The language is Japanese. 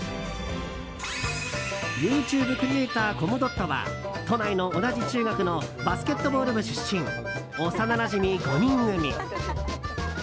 ＹｏｕＴｕｂｅクリエーターコムドットは都内の、同じ中学のバスケットボール部出身幼なじみ５人組。